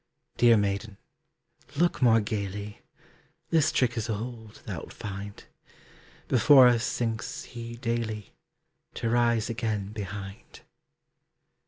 Dear maiden, look more gayly, This trick is old, thou'lt find. Before us sinks he daily, To rise again behind.